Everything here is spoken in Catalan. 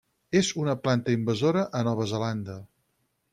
És una planta invasora a Nova Zelanda.